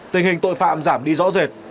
tình hình tội phạm giảm đi rõ rệt